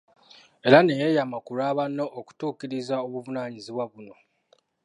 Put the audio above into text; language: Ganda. Era ne yeeyama ku lwa banne okutuukirizza obuvunanyizibwa buno.